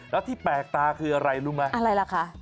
แล้วที่แปลกตาคืออะไรรู้ไหมอะไรล่ะคะ